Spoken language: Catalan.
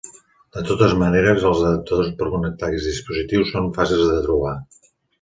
De totes maneres, els adaptadors per connectar aquests dispositius són fàcils de trobar.